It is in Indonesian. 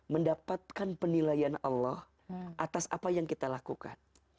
mendapatkan penilaian allah atas apa yang kita lakukan